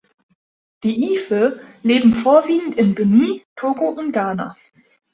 Die Ife leben vorwiegend in Benin, Togo und Ghana.